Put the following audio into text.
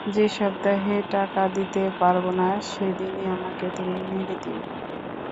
যে সপ্তাহে টাকা দিতে পারব না, সেদিনই আমাকে তুমি মেরে দিয়ো।